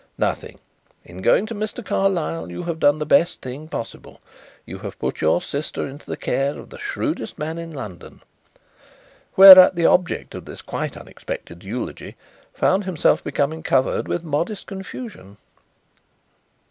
"Nothing. In going to Mr. Carlyle you have done the best thing possible; you have put your sister into the care of the shrewdest man in London." Whereat the object of this quite unexpected eulogy found himself becoming covered with modest confusion.